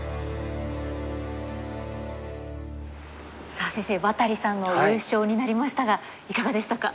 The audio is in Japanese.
さあ先生渡利さんの優勝になりましたがいかがでしたか？